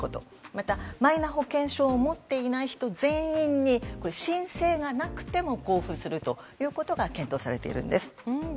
また、マイナ保険証を持っていない人全員に申請がなくても交付するということが検討されているんです。